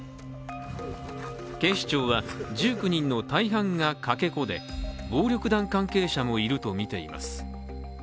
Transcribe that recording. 警視庁は１９人の大半がかけ子で暴力団関係者もいるとみています。